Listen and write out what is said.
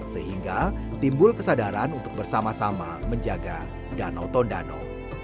sehingga timbul kesadaran untuk bersama sama menjaga danau tondano